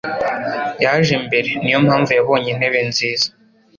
Yaje mbere. Niyo mpamvu yabonye intebe nziza.